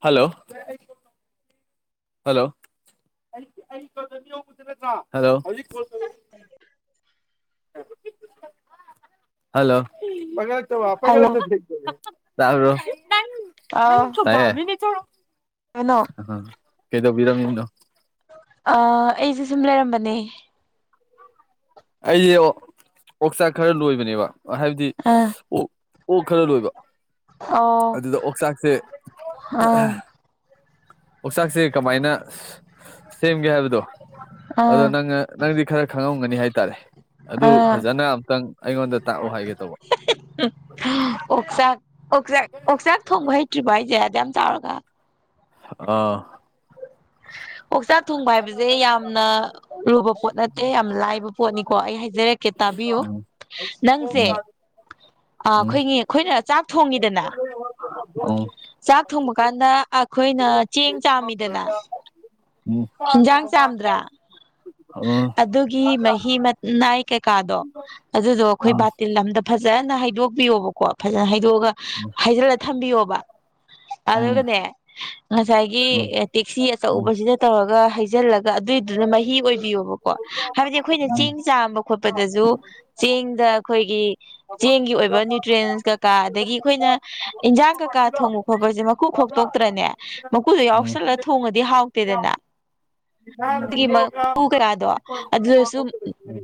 hello ꯍꯂꯣꯣ [inaudible] hello [unintelligible] ꯇꯥꯕꯔꯣ hello ꯑꯥꯎ ꯇꯥꯢꯌꯦ [unintelligible] ꯀꯩꯅꯣ ꯀꯩꯗꯧ ꯕꯤꯔꯃꯤꯅꯣ ꯑ ꯑꯩꯁꯦ ꯁꯨꯝ ꯂꯩꯔꯝꯕꯅꯦ ꯑꯩꯁꯦ ꯑꯣꯛꯆꯥꯛ ꯈꯔ ꯂꯣꯏꯕꯅꯦꯕ ꯍꯥꯏꯕꯗꯤ ꯑꯥ ꯑꯣꯛ ꯑꯣꯛ ꯈꯔ ꯂꯣꯏꯕ ꯑꯣ ꯑꯗꯨꯗ ꯑꯣꯛꯆꯥꯛꯁꯦ ꯑꯥ ꯑꯣꯛꯆꯥꯛꯁꯦ ꯀꯃꯥꯏꯅ ꯁꯦꯝꯒꯦ ꯍꯥꯏꯕꯗꯣ ꯑꯗꯣ ꯑꯥ ꯅꯪꯅ ꯅꯪꯗꯤ ꯈꯔ ꯈꯪꯉꯝꯒꯅꯤ ꯍꯥꯏꯇꯥꯔꯦ ꯑꯗꯨ ꯑꯥ ꯐꯖꯅ ꯑꯃꯨꯛꯇꯪ ꯑꯩꯉꯣꯟꯗ ꯇꯥꯛꯎ ꯍꯥꯏꯒꯦ ꯇꯧꯕ ꯍꯥ ꯑꯣꯥꯛꯆꯥꯛ ꯑꯣꯛꯆꯥꯛ ꯑꯣꯛꯆꯥꯛ ꯊꯣꯡꯕ ꯍꯩꯇ꯭ꯔꯤꯕꫭ ꯍꯥꯏꯁꯦꯗ ꯑꯗꯨꯛ ꯌꯥꯝ ꯆꯥꯎꯔꯒ ꯑꯥ ꯑꯣꯛꯆꯥꯛ ꯊꯣꯡꯕ ꯍꯥꯏꯕꯁꯦ ꯌꯥꯝꯅ ꯂꯨꯕ ꯄꯣꯠ ꯅꯠꯇꯦ ꯌꯥꯝꯅ ꯂꯥꯏꯕ ꯄꯣꯠꯅꯤꯀꯣ ꯑꯩ ꯍꯥꯏꯖꯔꯛꯀꯦ ꯇꯥꯕꯤꯌꯨ ꯎꯝ ꯅꯪꯁꯦ ꯎꯝ ꯑ ꯑꯩꯈꯣꯏꯒꯤ ꯑꯩꯈꯣꯏꯅ ꯆꯥꯛ ꯊꯣꯡꯉꯤꯗꯅ ꯆꯥꯛ ꯊꯣꯡꯕ ꯀꯥꯟꯗ ꯑꯩꯈꯣꯏꯅ ꯆꯦꯡ ꯆꯥꯝꯃꯤꯗꯅ ꯍꯤꯟꯖꯥꯡ ꯆꯥꯝꯗ꯭ꯔꯥ [unintelligible] ꯎꯝ ꯑꯗꯨꯒꯤ ꯃꯍꯤ ꯃꯅꯥꯏ ꯀꯩꯀꯥꯗꯣ ꯑꯗꯨꯗꯣ ꯑꯩꯈꯣꯏ ꯕꯥꯇꯤꯜ ꯑꯝꯗ ꯐꯖꯅ ꯍꯥꯏꯗꯣꯛꯄꯤꯌꯣꯕꯀꯣ ꯐꯖꯅ ꯍꯥꯏꯗꯣꯛꯑꯒ [inaudible] ꯍꯩꯖꯤꯜꯂ ꯊꯝꯕꯤꯌꯣꯕ ꯎꯝ ꯎꯝ ꯎꯝ ꯑꯗꯨꯒꯅꯦ ꯉꯁꯥꯏꯒꯤ ꯎꯝ ꯇꯦꯛꯁꯤ ꯎꯝ ꯑꯆꯧꯕꯁꯤꯗ ꯇꯧꯔꯒ ꯍꯩꯖꯤꯜꯂꯒ ꯑꯗꯨꯏꯗꯨꯅ ꯎꯝ ꯎꯝ ꯃꯍꯤ ꯑꯣꯏꯕꯤꯌꯣꯕꯀꯣ ꯍꯥꯏꯕꯗꯤ ꯑꯩꯈꯣꯏꯅ ꯆꯦꯡ ꯆꯥꯝꯕ ꯈꯣꯠꯄꯗꯁꯨ ꯆꯦꯡꯗ ꯑꯩꯈꯣꯏꯒꯤ ꯆꯦꯡꯒꯤ ꯑꯣꯏꯕ ꯅ꯭ꯌꯨꯇ꯭ꯔꯦꯟꯁ ꯀꯀꯥ ꯑꯗꯒꯤ ꯑꯩꯈꯣꯏꯅ ꯏꯟꯖꯥꯡ ꯀꯀꯥ ꯊꯣꯡꯉ ꯈꫭꯠꯄꯁꯦ ꯃꯈꯨ ꯈꯣꯛꯇꯣꯛꯇ꯭ꯔꯅꯦ ꯃꯀꯨꯗꯣ ꯎꯝ ꯌꯥꯎꯁꯜꯂ ꯊꯣꯡꯉꯗꯤ ꯍꯥꯎꯇꯦꯗꯅ ꯀꯌꯥꯗꯣ ꯑꯗꯨꯗꯁꯨ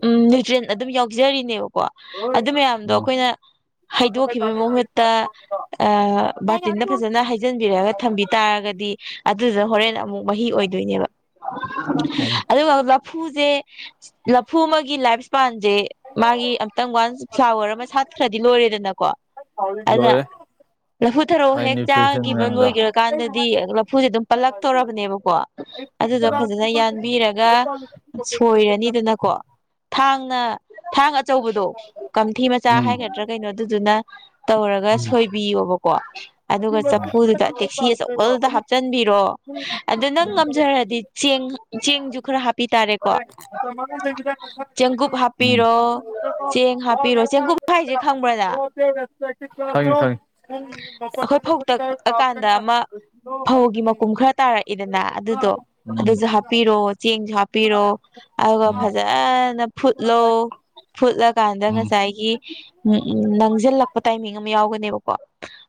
ꯎꯝ ꯅ꯭ꯌꯨꯇ꯭ꯔꯦꯟ ꯑꯗꯨꯝ ꯌꯥꯎꯖꯔꯤꯅꯦꯕꯀꯣ ꯑꯗꯨ ꯃꯌꯥꯝꯗꯣ ꯎꯝ ꯑꯩꯈꯣꯏꯅ ꯍꯩꯗꯣꯛꯈꯤꯕꯒꯤ ꯃꯍꯨꯠꯇ ꯑꯥ ꯕꯥꯔꯇꯤꯟꯗ ꯐꯖꯅ ꯍꯩꯖꯤꯟꯕꯤꯔꯛꯑꯒ ꯊꯝꯕꯤ ꯇꯥꯔꯒꯗꯤ ꯑꯗꯨꯗꯨꯅ ꯍꯣꯔꯦꯟ ꯑꯃꯨꯛ ꯃꯍꯤ ꯑꯣꯏꯗꯣꯏꯅꯦꯕ ꯎꯝ ꯑꯗꯨꯒ ꯂꯐꯨꯖꯦ ꯂꯐꯨ ꯑꯃꯒꯤ ꯂꯥꯏꯐ ꯏꯁꯄꯥꯟꯖꯦ ꯃꯥꯒꯤ ꯑꯝꯇꯪ ꯋꯥꯟ ꯐ꯭ꯂꯥꯋꯔ ꯑꯃ ꯁꯥꯠꯈ꯭ꯔꯗꯤ ꯂꯣꯏꯔꯦꯗꯅꯀꯣ ꯑꯗꯨꯅ ꯂꯣꯏꯔꯦ ꯂꯐꯨ ꯊꯔꯣ ꯑꯩ ꯍꯦꯛ ꯅ꯭ꯌꯨꯇ꯭ꯔꯤꯁꯟ ꯆꯥꯒꯤꯕ ꯃꯌꯥꯝꯗꯣ ꯂꯣꯏꯒꯔꯀꯥꯟꯗꯗꯤ ꯂꯐꯨꯖꯩ ꯑꯗꯨꯝ ꯄꯜꯂꯛ ꯇꫭꯔꯕꯅꯦꯕꯀꯣ ꯑꯗꯨꯗꯣ ꯐꯖꯅ ꯌꯥꯟꯕꯤꯔꯒ ꯁꯣꯏꯔꯅꯤꯗꯅꯀꯣ ꯊꯥꯡꯅ ꯊꯥꯡ ꯑꯆꯧꯕꯗꯣ ꯀꯝꯊꯤ ꯃꯆꯥ ꯎꯝ ꯍꯥꯏꯒꯗ꯭ꯔꯥ ꯀꯩꯅꯣ ꯑꯗꯨꯗꯨꯅ ꯇꯧꯔꯒ ꯎꯝ ꯁꯣꯏ ꯕꯤꯌꯣꯕꯀꯣ ꯑꯗꯨꯒ ꯆꯐꯨꯗꯨꯗ ꯇꯦꯛꯁꯤ ꯑꯆꯧꯕꯗꯨꯗ ꯍꯥꯞꯆꯟꯕꯤꯔꯣ ꯑꯗꯨ ꯅꯪ ꯉꯝꯖꯔꯗꯤ ꯆꯦꯡ ꯆꯦꯡꯖꯨ ꯈꯔ ꯍꯥꯞꯄꯤ ꯇꯥꯔꯦꯀꯣ ꯆꯦꯡꯀꯨꯞ ꯎꯝ ꯍꯥꯞꯄꯤꯔꯣ ꯆꯦꯡ ꯍꯥꯞꯄꯤꯔꯣ ꯆꯦꯡꯀꯨꯞ ꯍꯥꯏꯖꯩ ꯈꯪꯕ꯭ꯔ ꯅꯪ ꯇꯥꯢ [unintelligible] ꯑꯩꯈꯣꯏ ꯐꯧ ꯇꯛꯑꯀꯥꯟꯗ ꯑꯃ ꯐꯧꯒꯤ ꯃꯀꯨꯝ ꯈꯔ ꯇꯥꯔꯛꯏꯗꯅ ꯑꯗꯨꯗꯣ ꯑꯗꯨꯁꯨ ꯍꯥꯞꯄꯤꯔꯣ ꯆꯦꯡꯖꯨ ꯍꯥꯞꯄꯤꯔꯣ ꯑꯗꯨꯒ ꯐꯖꯅ ꯐꯨꯠꯂꯣ ꯐꯨꯠꯂꯀꯥꯟꯗ ꯎꯝ ꯉꯁꯥꯏꯒꯤ ꯎꯝ ꯅꯪꯖꯤꯜꯂꯛꯄ ꯇꯥꯏꯃꯤꯡ ꯑꯃ ꯌꯥꯎꯒꯅꯦꯕ ꯀꫭ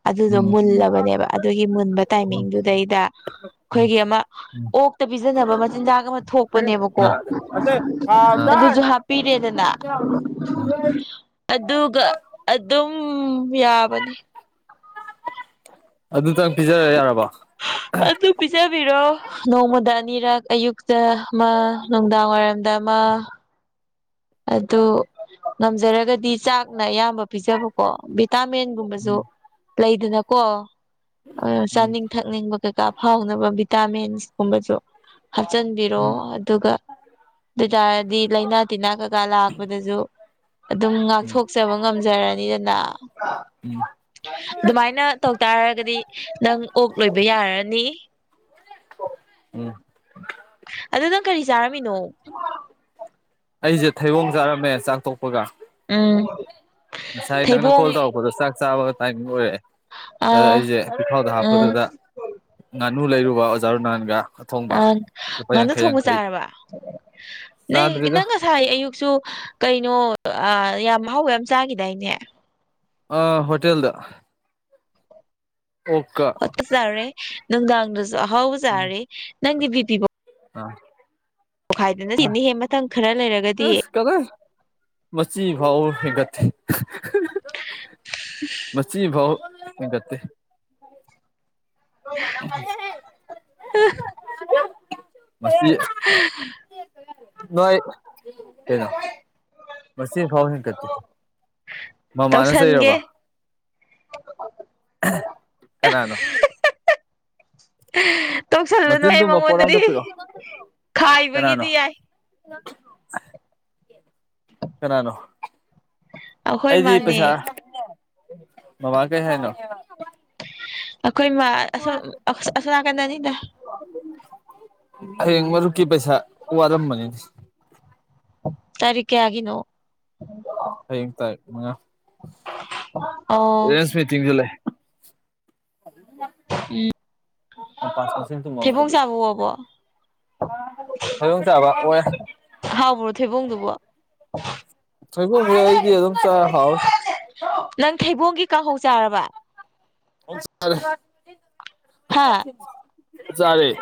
ꯑꯗꯨꯗꯣ ꯎꯝ ꯎꯝ ꯃꯨꯜꯂꯕꯅꯦꯕ ꯑꯗꯨꯒꯤ ꯃꯨꯟꯕ ꯇꯥꯏꯃꯤꯡꯗꯨꯗꯩꯗ ꯑꯩꯈꯣꯏꯒꯤ ꯑꯃ ꯑꯣꯛꯇ ꯄꯤꯖꯅꯕ ꯃꯆꯤꯟꯖꯥꯛ ꯑꯃ ꯊꯣꯛꯄꯅꯦꯕꯀꯣ ꯑꯗꯨꯁꯨ ꯍꯥꯞꯄꯤꯔꯦꯗꯅ ꯑꯗꯨꯒ ꯑꯗꯨꯝ ꯌꯥꯕꯅꯤ ꯑꯗꯨ ꯇꯛ ꯄꯤꯖꯔ ꯌꯥꯔꯕꯣ ꯑꯗꯨ ꯄꯤꯖꯕꯤꯔꯣ ꯅꯣꯡꯃꯗ ꯑꯅꯤꯔꯛ ꯑꯌꯨꯛꯇ ꯑꯃ ꯅꯨꯡꯗꯥꯡꯋꯥꯏꯔꯝꯗ ꯑꯃ ꯑꯗꯨ ꯉꯝꯖꯔꯒꯗꯤ ꯆꯥꯛꯅ ꯑꯌꯥꯝꯕ ꯄꯤꯖꯕꯀꯣ ꯎꯝ ꯚꯤꯇꯥꯃꯦꯟꯒꯨꯝꯕꯖꯨ ꯂꯩꯗꯅꯀꯣ ꯑꯗꯨꯅ ꯎꯝ ꯆꯥꯅꯤꯡ ꯊꯛꯅꯤꯡꯕ ꯀꯩꯀꯥ ꯐꯥꯎꯅꯕ ꯚꯤꯇꯥꯃꯤꯟꯁ ꯀꯨꯝꯕꯁꯨ ꯍꯥꯞꯆꯟꯕꯤꯔꯣ ꯑꯗꯨꯒ ꯑꯗꯨꯏ ꯇꯥꯔꯗꯤ ꯂꯥꯏꯅꯥ ꯇꯤꯟꯅꯥ ꯀꯀꯥ ꯂꯥꯛꯄꯗꯖꯨ ꯑꯗꯨꯝ ꯉꯥꯛꯊꯣꯛꯆꯕ ꯉꯝꯖꯔꯅꯤꯗꯅ ꯎꯝ ꯑꯗꯨꯃꯥꯏꯅ ꯇꯧꯇꯥꯔꯒꯗꯤ ꯅꯪ ꯑꯣꯛ ꯂꯣꯏꯕ ꯌꯥꯔꯅꯤ ꯎꯝ ꯑꯗꯨ ꯅꯪ ꯀꯔꯤ ꯆꯥꯔꯝꯃꯤꯅꯣ ꯑꯩꯖꯦ ꯊꯩꯕꯣꯡ ꯆꯥꯔꯝꯃꯦ ꯆꯥꯛꯊꯣꯛꯄꯒ ꯎꯝ ꯉꯁꯥꯏ ꯅꯪꯅ ꯊꯩꯕꯣꯡ ꯀꯣꯜ ꯇꯧꯔꯛꯄꯗꯣ ꯆꯥꯛ ꯆꯥꯕꯒ ꯇꯥꯏꯃꯤꯡ ꯑꯣꯏꯔꯛꯑꯦ ꯑꯗ ꯑ ꯑꯩꯁꯦ ꯄꯤꯈꯥꯎꯗ ꯎꯝ ꯍꯥꯞꯄꯗꯨꯗ ꯉꯥꯅꯨ ꯂꯩꯔꯨꯕ ꯑꯣꯖꯥ ꯔꯨꯅꯥꯟꯒ ꯑꯊꯣꯡꯕ ꯑ ꯂꯨꯄꯥ ꯉꯅꯣ ꯌꯥꯡꯈꯩ ꯊꯣꯡꯕ ꯌꯥꯡꯈꯩ ꯆꯥꯔꯕ ꯅꯪꯅ ꯆꯥꯗ꯭ꯔꯤꯗ ꯉꯁꯥꯏ ꯑꯌꯨꯛꯁꯨ ꯀꯩꯅꯣ ꯌꯥꯝ ꯑ ꯍꯥꯎꯕ ꯌꯥꯝ ꯆꯥꯈꯤꯗꯥꯏꯅꯦ ꯑ ꯍꯣꯇꯦꯜꯗ ꯑꯣꯛꯀ ꯆꯔꯦ ꯅꯨꯡꯗꯥꯡꯗꯁꯨ ꯑꯍꯥꯎ ꯆꯥꯔꯦ ꯅꯪꯒꯤ ꯕꯤ ꯄꯤ ꯑ ꯄꯣꯛꯈꯥꯏꯗꯅ ꯁꯤꯦꯅꯤꯍꯦ ꯃꯇꯝ ꯈꯔ ꯂꯩꯔꯒꯗꯤ ꯀꯗ ꯃꯆꯤ ꯐꯥꯎꯥꯕ ꯍꯩꯟꯒꯠꯇꯦ ꯃꯁꯤꯕꯧ ꯏꯒꯠꯇꯦ [unintelligible] ꯎꯝ ꯅꯥꯏ ꯀꯩꯅ ꯃꯁꯤ ꯐꯥꯎ ꯃꯃꯥꯅ ꯇꯧꯁꯟꯒꯦ ꯆꯩꯔꯕ ꯀꯅꯅꯣ ꯇꯣꯛꯁꯜꯂꯨꯅꯨꯍꯦ ꯃꯆꯤꯟꯗꯨꯃ ꯄꯣꯠ ꯃꯉꯣꯟꯗꯗꯤ ꯑꯝꯇ ꯄꯤꯔꯛꯑꯣ ꯀꯅꯥꯅꯣ ꯈꯥꯏꯕꯒꯤꯗꯤ ꯌꯥꯏ [unintelligible] ꯀꯅꯥꯅꯣ ꯑꯩꯈꯣꯏ ꯑꯩꯗꯤ ꯃꯥꯅꯦ ꯄꯩꯁꯥ ꯃꯃ ꯀꯩ ꯍꯥꯏꯅꯣ ꯑꯩꯈꯣꯏ ꯃꯥ ꯑꯁꯣꯝ ꯑꯁꯣꯝ ꯅꯥꯀꯟꯗꯅꯤꯗ ꯍꯌꯦꯡ ꯃꯔꯨꯞꯀꯤ ꯄꯩꯁꯥ ꯋꯥꯔꯝꯕꯅꯤꯗ ꯇꯔꯤꯛ ꯀꯌꯥꯒꯤꯅꯣ ꯍꯌꯦꯡ ꯇꯥꯏ ꯃꯉ [unintelligible] ꯔꯁꯃꯤꯇ ꯨꯂꯥꯏ ꯎꯝ ꯊꯨꯝꯕ ꯑꯝꯇ ꯊꯩꯕꯣꯡ ꯄꯤꯔꯛꯎ ꯆꯕꯥ ꯑꯣꯛꯑꯕꯣ ꯊꯣꯏꯗꯣꯡ ꯆꯥꯕ ꯑꯣꯏ ꯍꯥꯎꯕꯔꯣ ꯊꯩꯕꯨꯡꯗꯨꯕꯣ ꯊꯣꯏꯕꯨꯝꯁꯦ ꯑꯩꯗꯤ ꯑꯗꯨꯝ ꯆ ꯍꯥꯎꯋꯤ ꯅꯪ ꯊꯩꯕꯣꯡꯒꯤ ꯀꯥꯡꯍꯧ ꯆꯥꯔꯕ ꯆꯔꯦ ꯍꯥꯥ ꯆꯔꯦ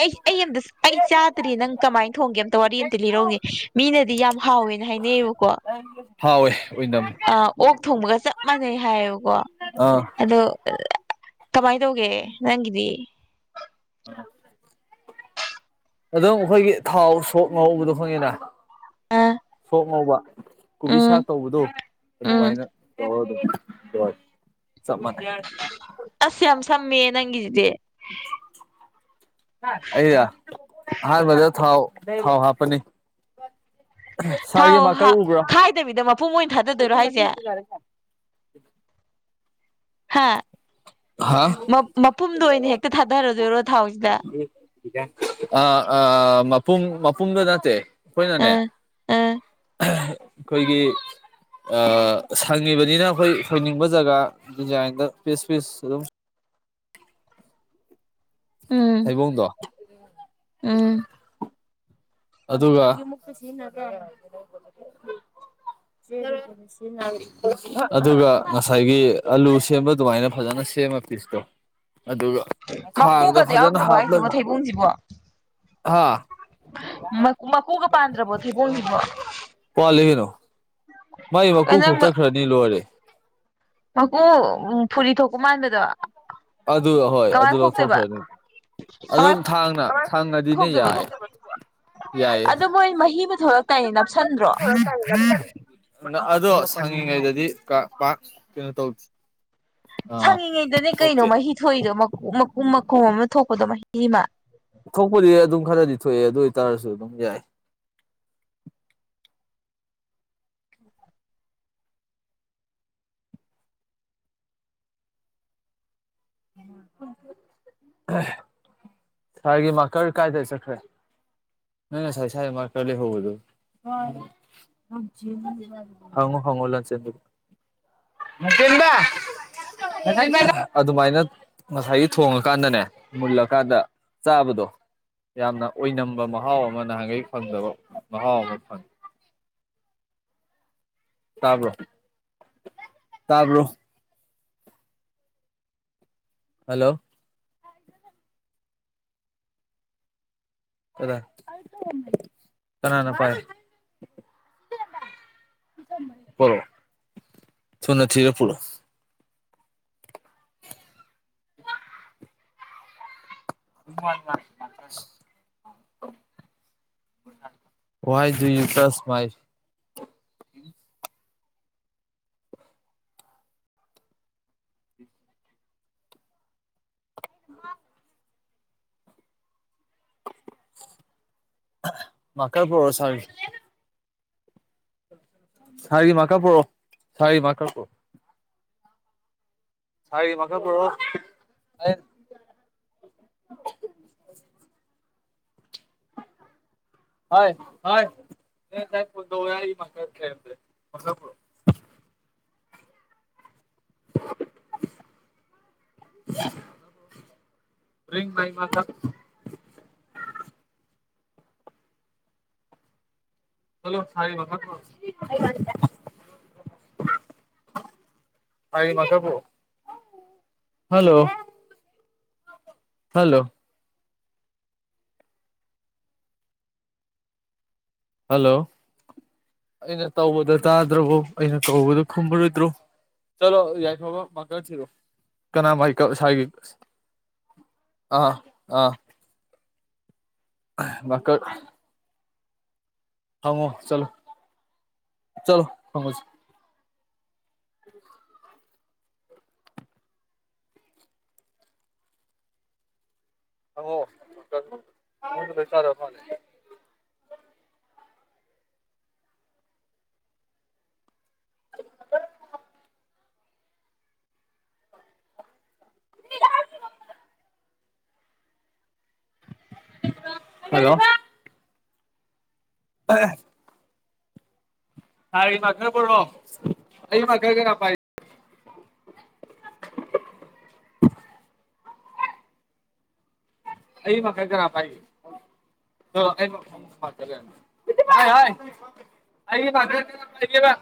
ꯑꯩ ꯑꯩ ꯑꯇ ꯑꯩ ꯆꯥꯗ꯭ꯔꯤ ꯅꯪ ꯀꯃꯥꯏꯅ ꯊꯣꯡꯒꯦ ꯑꯝꯇ ꯋꯥꯔꯤ ꯑꯃꯝꯇ ꯂꯤꯔꯧꯏꯦ ꯃꯤꯅꯗꯤ ꯌꯥꯝ ꯍꯥꯎꯋꯦꯅ ꯍꯥꯏꯅꯩꯌꯦꯕꯀꯣ ꯍꯥꯎꯋꯦ ꯑꯣꯏꯅꯝꯃꯦ ꯑ ꯑꯣꯛ ꯊꯣꯡꯕꯒ ꯆꯞ ꯃꯥꯟꯅꯩ ꯍꯥꯏꯌꯦꯕꯀꯣ ꯑꯥ ꯑꯗꯣ ꯀꯃꯥꯏ ꯇꯧꯒꯦ ꯅꯪꯒꯤꯗꯤ [unintelligible] ꯑꯗꯨꯝ ꯑꯩꯈꯣꯏꯒꯤ ꯊꯥꯎ ꯁꯣꯛ ꯉꯧꯕꯗꯣ ꯈꯪꯉꯤꯅ ꯑ ꯁꯣꯛ ꯉꯧꯕ ꯀꯨꯕꯤ ꯁꯥꯛ ꯎꯝ ꯇꯧꯕꯗꯣ ꯎꯝ ꯑꯗꯨꯃꯥꯏꯅ ꯇꯧꯔꯣ ꯑꯗꯨꯝ ꯂꯣꯢꯔꯦ ꯆꯞ ꯃꯥꯅꯩ ꯑꯁ ꯌꯥꯝ ꯁꯃꯦ ꯍꯦ ꯅꯪꯒꯤꯖꯤꯗꯤ ꯑꯩꯌ ꯑꯍꯥꯟꯕꯗ ꯊꯥꯎ ꯊꯥꯎ ꯍꯥꯞꯄꯅꯤ ꯊꯥꯎ ꯁꯥꯔꯒꯤ ꯃꯥꯔꯀꯔ ꯎꯕ꯭ꯔꯣ ꯍꯥꯞ-ꯈꯥꯏꯗꯕꯤꯗ ꯃꯄꯨꯡ ꯑꯣꯏꯅ ꯊꯥꯗꯗꯣꯏꯔꯣ ꯍꯥꯏꯁꯦ ꯍꯥ ꯍꯥ ꯃꯄꯨꯝꯗꯣ ꯑꯣꯏꯅ ꯍꯦꯛꯇ ꯊꯥꯗꯔꯗꯣꯏꯔꯣ ꯊꯥꯎꯁꯤꯗ ꯑ ꯑ ꯃꯄꯨꯡ ꯃꯄꯨꯡꯗꯨ ꯅꯠꯇꯦ ꯑꯩꯈꯣꯏꯅꯅꯦ ꯑꯥ ꯑꯥ ꯑꯩꯈꯣꯏꯒꯤ ꯁꯪꯉꯤꯕꯅꯤꯅ ꯑꯩꯈꯣꯏ ꯍꯪꯅꯤꯡꯕ ꯖꯒꯥ ꯗꯤꯖꯥꯏꯟꯗ ꯄꯤꯁ ꯄꯤꯁ ꯑꯗꯨꯝ ꯎꯝ ꯊꯩꯕꯣꯡꯗꯣ ꯎꯝ ꯑꯗꯨꯒ [unintelligible] ꯑꯗꯨꯒ ꯉꯁꯥꯏꯒꯤ ꯑꯂꯨ ꯁꯦꯝꯕ ꯑꯗꯨꯃꯥꯏꯅ ꯐꯖꯅ ꯁꯦꯝꯃ ꯄꯤꯁꯇꯣ ꯑꯗꯨꯒ ꯈꯥꯡꯗ ꯃꯀꯨꯒꯗꯤ ꯐꯖꯅ ꯌꯥꯎꯗ꯭ꯔꯕꯣ ꯑꯩꯁꯤꯕꯣ ꯊꯩꯕꫭꯡꯁꯤꯕꯨ ꯍꯥꯥ ꯃ ꯃꯀꯣꯛꯀ ꯄꯥꯟꯗ꯭ꯔꯕꫭ ꯊꯩꯕꯣꯡꯁꯤꯕꯨ ꯋꯥꯠꯂꯤ ꯀꯩꯅꯣ ꯃꯥꯏ ꯃꯀꯨ ꯈꯣꯛꯇꯠꯈ꯭ꯔꯗꯤ ꯂꯣꯏꯔꯦ ꯃꯀꯨ ꯐꯨꯔꯤ ꯊꯣꯛꯄ ꯃꯥꯟꯕꯗꯣ ꯑꯗꯨ ꯍꯣꯏ ꯑꯗꯨ ꯀꯃꯥꯏꯅ ꯈꯣꯛꯇꯣꯏꯕ ꯂꯧꯊꯣꯛꯈꯔꯅꯤ ꯀꯃꯥꯏ ꯑꯗꯨꯝ ꯊꯥꯡꯅ ꯊꯥꯡꯉꯗꯤꯅꯦ ꯌꯥꯏ ꯌꯥꯏꯌꯦ ꯑꯗꯨ ꯃꯣꯏ ꯃꯍꯤꯃꯥ ꯊꯣꯛꯂꯛꯇꯥꯏꯅꯦ ꯅꯞꯁꯟꯗ꯭ꯔꯣ ꯑꯗꯣ ꯁꯪꯉꯤꯉꯩꯗꯗꯤ ꯀꯥ ꯄꯥꯛ ꯀꯩꯅꯣ ꯇꯧꯗ ꯁꯪꯉꯤꯉꯩꯗꯅꯦ ꯀꯩꯅꯣ ꯃꯍꯤ ꯊꯣꯛꯏꯗꯣ ꯃꯀꯨꯝ ꯃꯈꯀꯨꯝ ꯑꯃ ꯊꯣꯛꯄꯗꯣ ꯃꯍꯤ ꯑꯃ ꯊꯣꯛꯄꯗꯤ ꯑꯗꯨꯝ ꯈꯔꯗꯤ ꯊꯣꯛꯑꯦ ꯑꯗꯨ ꯑꯣꯏꯇꯥꯔꯁꯨ ꯑꯗꯨꯝ ꯌꯥꯏ [inaudible] ꯁꯥꯔꯒꯤ ꯃꯥꯀꯔ ꯀꯥꯏꯗꯥ ꯆꯠꯈꯔꯦ ꯅꫭꯏꯅꯥ ꯉꯁꯥꯏ ꯁꯥꯏꯗ ꯃꯥꯔꯀꯔ ꯂꯩꯍꯧꯕꯗꯨ ꯍꯪꯉꯨ ꯍꯪꯉꯨ ꯂꯥꯟꯆꯦꯟꯕꯗꯨ [unintelligible] ꯂꯥꯟꯆꯦꯟꯕ [unintelligible] ꯑꯗꯨꯃꯥꯏꯅ ꯉꯁꯥꯏꯒꯤ ꯊꯣꯡꯉꯀꯥꯟꯗꯅꯦ ꯃꯨꯜꯂꯀꯥꯟꯗ ꯆꯥꯕꯗꯣ ꯌꯥꯝꯅ ꯑꯣꯏꯝꯕ ꯃꯍꯥꯎ ꯑꯃ ꯅꯍꯥꯟꯒꯩ ꯐꯪꯗꯕ ꯃꯍꯥꯎ ꯑꯃ ꯐꯪꯏꯤ ꯇꯥꯕ꯭ꯔꯣ ꯇꯥꯕ꯭ꯔꯣ ꯍꯜꯂꯣ ꯀꯗꯥꯢ ꯀꯅꯥꯅ ꯄꯥꯏ ꯄꯨꯔꯛꯑꫭ ꯊꯨꯅ ꯊꯤꯔ ꯄꯨꯔꯛꯑꫭ ꯎꯝ ꯋꯥ [unintelligible] ꯋꯥꯥꯏ ꯗꯨ ꯌꯨ ꯇꯥꯁ ꯃꯥꯥꯏ [unintelligible] ꯃꯥꯛꯀꯔ ꯄꯣꯔꯣꯛꯑꫭ ꯁꯥꯔꯒꯤ ꯁꯥꯔꯒꯤ ꯃꯥꯛꯀꯔ ꯄꯨꯔꯛꯑꫭ ꯁꯔꯤ ꯃꯥꯛꯀꯔ ꯄꯨꯔꯛꯑꫭ ꯁꯥꯏꯒꯤ ꯃꯥꯛꯀꯔ ꯄꯨꯔꯛꯑꫭ ꯍꯣꯏ ꯍꯣꯏ ꯑꯩꯅ ꯉꯁꯥꯏ ꯐꫭꯟ ꯇꯧꯕꯗ ꯑꯩꯒꯤ ꯃꯥꯛꯀꯔ ꯂꯩꯔꯝꯗꯔꯦ ꯃꯥꯛꯀꯔ ꯄꯨꯔꯛꯑꯦ [unintelligible] ꯔꯤꯡ ꯕꯥꯏ ꯃꯊꯥꯛ ꯍꯂꯣ ꯁꯥꯔꯒꯤ ꯃꯊꯥꯛ [unintelligible] ꯁꯥꯔꯒꯤ ꯃꯥꯛꯀꯔ ꯄꯨꯔꯛꯑꫭ ꯍꯜꯂꯣ ꯍꯜꯂꯣ ꯍꯜꯂꯣ ꯑꯩꯅ ꯇꯧꯕꯗ ꯇꯥꯗ꯭ꯔꯕꯣ ꯑꯩꯅ ꯀꯧꯕꯗꫭ ꯈꯨꯝꯃꯔꯣꯏꯗ꯭ꯔꯣ ꯆꯠꯂꯣ ꯌꯥꯏꯐꯥꯕ ꯃꯥꯛꯀꯔ ꯊꯤꯔꯛꯑꫭ ꯀꯅꯥ ꯃꯥꯏꯀꯥ [unintelligible] ꯑꯥ ꯑꯥ ꯃꯥꯛꯀꯔ ꯍꯪꯉꯣ ꯆꯂꯣ ꯆꯂꯣ ꯍꯪꯉꯨꯆꯣ [inaudible] [unintelligible] ꯃꯥꯅꯦ [unintelligible] ꯍꯜꯂꯣ [unintelligible] ꯍꯩ ꯃꯥꯛꯀꯔ ꯄꯣꯔꯣꯛ ꯑꯩ ꯃꯥꯛꯀꯔ ꯀꯅꯥ ꯄꯥꯏ ꯑꯩꯒꯤ ꯃꯥꯛꯀꯔ ꯀꯅꯥ ꯄꯥꯏꯒꯦ ꯍ ꯍꯥꯏ ꯑꯩꯒꯤ ꯂꯩꯒꯦꯕ